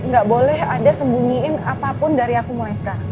gak boleh anda sembunyiin apapun dari aku mulai sekarang